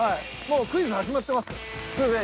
もうクイズ始まってますから。